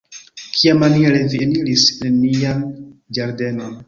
Kiamaniere vi eniris en nian ĝardenon.